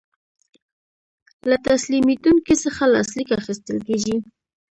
له تسلیمیدونکي څخه لاسلیک اخیستل کیږي.